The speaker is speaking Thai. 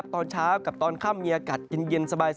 ตอนเช้ากับตอนข้ามเงียกัดเย็นสบาย